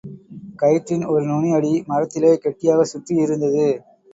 கயிற்றின் ஒரு நுனி அடி மரத்திலே கெட்டியாகச் சுற்றி யிருந்தது.